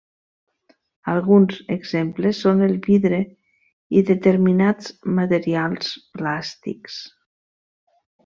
Alguns exemples són el vidre i determinats materials plàstics.